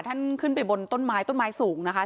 ท่านขึ้นไปบนต้นไม้ต้นไม้สูงนะคะ